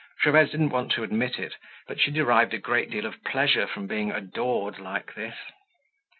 Gervaise didn't want to admit it, but she derived a great deal of pleasure from being adored like this.